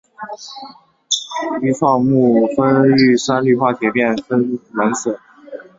愈创木酚遇三氯化铁变为蓝色。